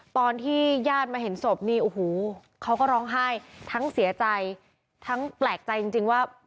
ตอนที่ญาติมาเห็นศพนี่โอ้โหเขาก็ร้องไห้ทั้งเสียใจทั้งแปลกใจจริงว่า